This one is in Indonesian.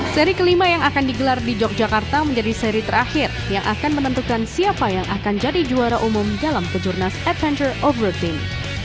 seri kelima yang akan digelar di yogyakarta menjadi seri terakhir yang akan menentukan siapa yang akan jadi juara umum dalam kejurnas adventure over team